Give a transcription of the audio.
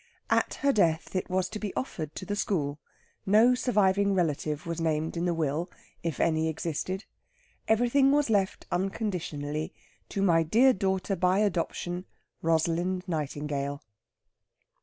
At her death it was to be offered to the school; no surviving relative was named in the will, if any existed. Everything was left unconditionally "to my dear daughter by adoption, Rosalind Nightingale."